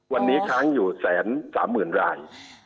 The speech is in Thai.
วันนี้ค้างอยู่แสนสามหมื่นราย